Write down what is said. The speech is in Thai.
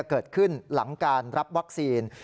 เกิดขึ้นหลังการรับวัคซีน